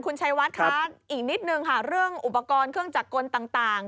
คุณชัยวัดคะอีกนิดนึงค่ะเรื่องอุปกรณ์เครื่องจักรกลต่าง